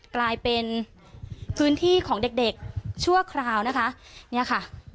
กลายเป็นพื้นที่ของเด็กเด็กชั่วคราวนะคะเนี่ยค่ะ